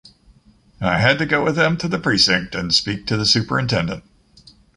I had to go with them to the precinct and speak to the superintendent.